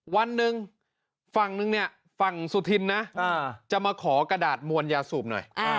วันหนึ่งฝั่งนึงเนี่ยฝั่งสุธินนะจะมาขอกระดาษมวลยาสูบหน่อย